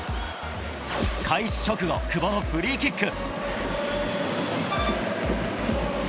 開始直後、久保のフリーキック。